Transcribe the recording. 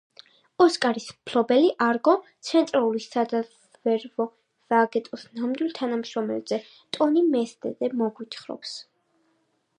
ოსკარის მფლობელი „არგო“ცენტრალური სადაზვერვო სააგენტოს ნამდვილ თანამშრომელზე, ტონი მენდესზე მოგვითხრობს.